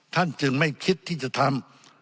จึงไม่คิดที่จะทำ